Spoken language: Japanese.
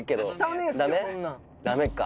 ダメか。